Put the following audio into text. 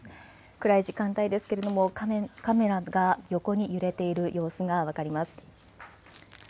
暗い時間帯ですけれどもカメラが横に揺れている様子が分かります。